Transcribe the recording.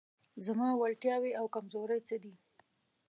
زما وړتیاوې او کمزورۍ څه دي؟